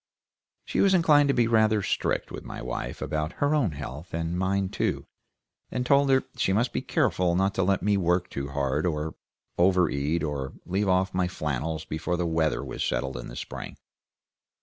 She was inclined to be rather strict with my wife about her own health, and mine too, and told her she must be careful not to let me work too hard, or overeat, or leave off my flannels before the weather was settled in the spring.